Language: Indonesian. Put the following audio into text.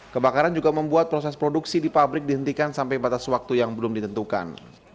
kebakaran juga membuat proses produksi di pabrik dihentikan sampai batas waktu yang belum ditentukan